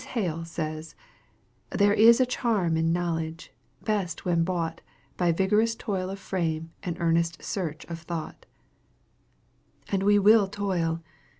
Hale says, "There is a charm in knowledge, best when bought By vigorous toil of frame and earnest search of thought." And we will toil.